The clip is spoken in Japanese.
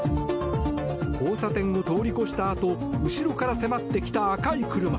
交差点を通り越したあと後ろから迫ってきた赤い車。